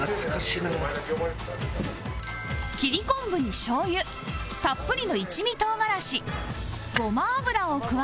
切り昆布にしょうゆたっぷりの一味唐辛子ごま油を加え味付け